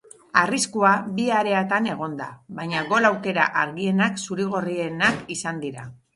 Arriskua bi areatan egon da, baina gol-aukera argienak zuri-gorrienak izan dira.